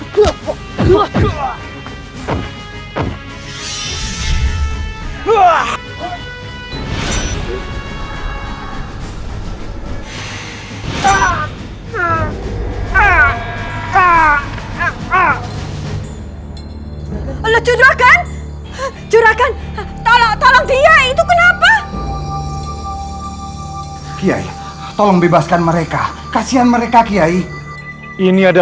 kematianmu akan segera tiba